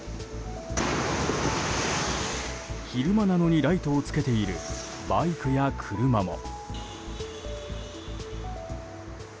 昼間なのにライトをつけているバイクや車も。